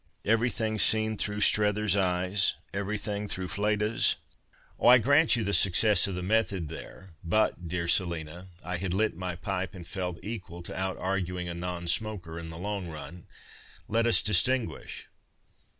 Everything seen through Strether's eyes, everything through Fleda's 1 "" Oh, I grant you the success of the method there, but, dear Selina " (I had lit my pipe and felt equal to out arguing a non smoker in the long run), " let us distinguish."